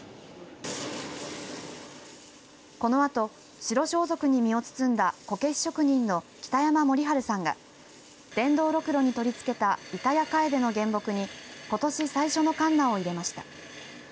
このあと、白装束に身を包んだこけし職人の北山盛治さんが電動ろくろに取り付けたイタヤカエデの原木にことし最初のカンナを入れました。